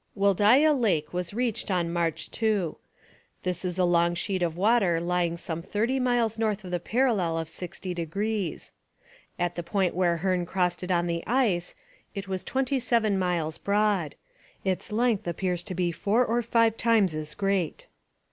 Wholdaia Lake was reached on March 2. This is a long sheet of water lying some thirty miles north of the parallel of sixty degrees. At the point where Hearne crossed it on the ice, it was twenty seven miles broad; its length appears to be four or five times as great.